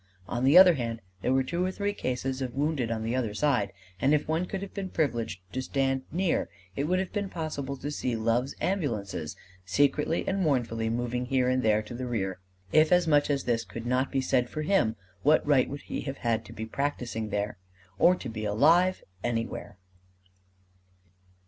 On the other hand, there were two or three cases of wounded on the other side; and if one could have been privileged to stand near, it would have been possible to see Love's ambulances secretly and mournfully moving here and there to the rear. If as much as this could not be said for him, what right would he have had to be practising there or to be alive anywhere!